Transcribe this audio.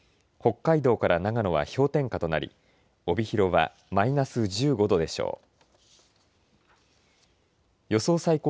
北海道から長野は氷点下となり帯広はマイナス１５度でしょう。